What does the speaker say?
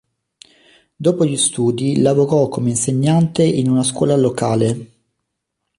Dopo gli studi lavorò come insegnante in una scuola locale.